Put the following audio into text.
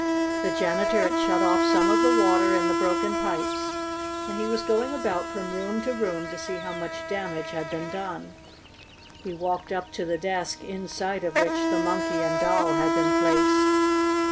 The janitor had shut off some of the water in the broken pipes, and he was going about from room to room to see how much damage had been done. He walked up to the desk inside of which the Monkey and Doll had been placed.